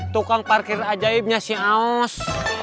tukang parkir ajaibnya si aus